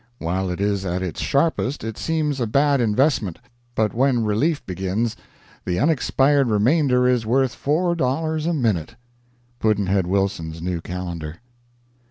While it is at its sharpest it seems a bad investment; but when relief begins, the unexpired remainder is worth $4 a minute. Pudd'nhead Wilson's New Calendar.